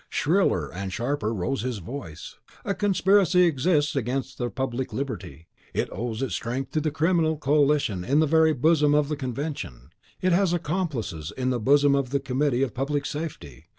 Shriller and sharper rose his voice, "A conspiracy exists against the public liberty. It owes its strength to a criminal coalition in the very bosom of the Convention; it has accomplices in the bosom of the Committee of Public Safety...